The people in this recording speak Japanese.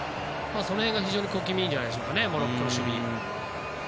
その辺が非常に小気味いいんじゃないでしょうかモロッコの守備。